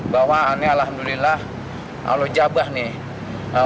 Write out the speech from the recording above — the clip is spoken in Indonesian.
bahwa ini alhamdulillah allah jabah nih